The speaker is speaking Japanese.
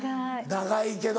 長いけど。